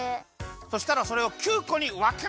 そしたらそれを９こにわけました。